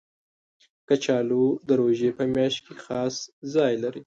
کچالو د روژې په میاشت کې خاص ځای لري